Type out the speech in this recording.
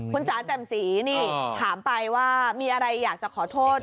คุณจ๋าแจ่มสีนี่ถามไปว่ามีอะไรอยากจะขอโทษ